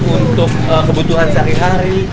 untuk kebutuhan sehari hari